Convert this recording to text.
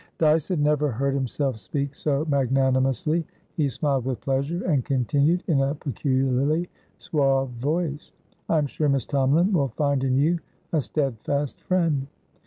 Dyce had never heard himself speak so magnanimously; he smiled with pleasure, and continued in a peculiarly suave voice. "I am sure Miss Tomalin will find in you a steadfast friend."